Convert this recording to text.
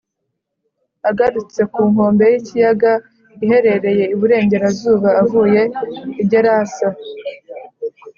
agarutse ku nkombe y’ikiyaga iherereye iburengerazuba avuye i gerasa,